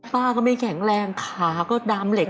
ป้าก็ไม่แข็งแรงขาก็ดามเหล็ก